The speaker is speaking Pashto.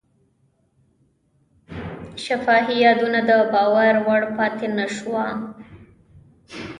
شفاهي یادونه د باور وړ پاتې نه شوه.